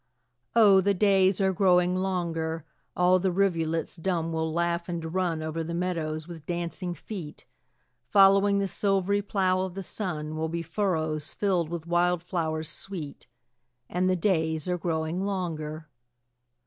Oh, the days are growing longer, All the rivulets dumb will laugh, and run Over the meadows with dancing feet; Following the silvery plough of the sun, Will be furrows filled with wild flowers sweet: And the days are growing longer.